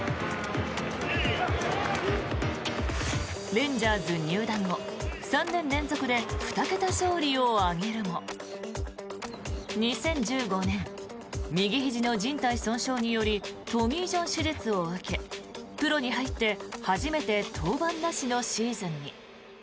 レンジャーズ入団後３年連続で２桁勝利を挙げるも２０１５年右ひじのじん帯損傷によりトミー・ジョン手術を受けプロに入って初めて登板なしのシーズンに。